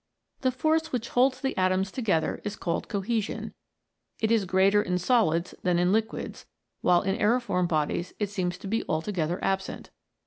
The force which holds the atoms together is called cohesion; it is greater in solids than in liquids, while in aeriform bodies it seems to be altogether absent.